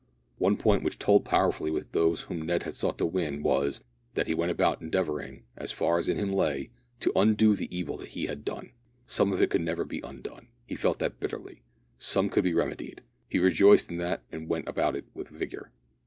One point which told powerfully with those whom Ned sought to win was, that he went about endeavouring, as far as in him lay, to undo the evil that he had done. Some of it could never be undone he felt that bitterly. Some could be remedied he rejoiced in that and went about it with vigour.